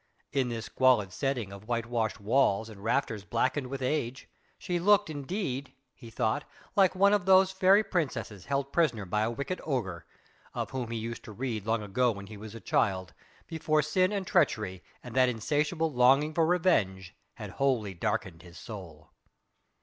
In this squalid setting of white washed walls and rafters blackened with age, she looked indeed he thought like one of those fairy princesses held prisoner by a wicked ogre of whom he used to read long ago when he was a child, before sin and treachery and that insatiable longing for revenge had wholly darkened his soul.